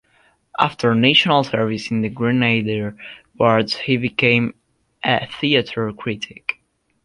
After National Service in the Grenadier Guards he became a theatre critic.